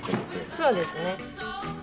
そうですね。